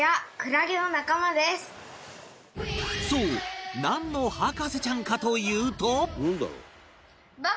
そうなんの博士ちゃんかというと